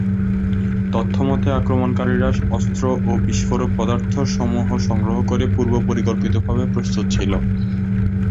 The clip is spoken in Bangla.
তথ্যমতে আক্রমণকারীরা অস্ত্র ও বিস্ফোরক পদার্থ সমূহ সংগ্রহ করে পূর্ব পরিকল্পিত ভাবে প্রস্তুত ছিল